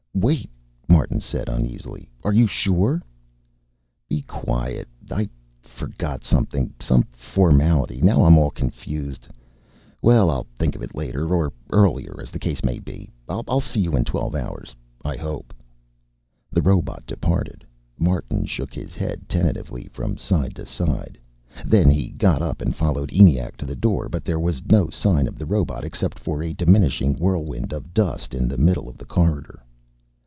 "Wait," Martin said uneasily. "Are you sure " "Be quiet. I forgot something some formality now I'm all confused. Well, I'll think of it later, or earlier, as the case may be. I'll see you in twelve hours I hope." The robot departed. Martin shook his head tentatively from side to side. Then he got up and followed ENIAC to the door. But there was no sign of the robot, except for a diminishing whirlwind of dust in the middle of the corridor.